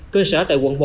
cơ sở tại quận một